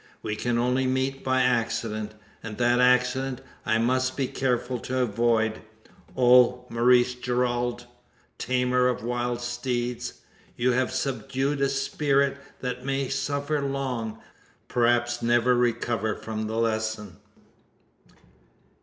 We can only meet by accident; and that accident I must be careful to avoid. Oh, Maurice Gerald! tamer of wild steeds! you have subdued a spirit that may suffer long perhaps never recover from the lesson!"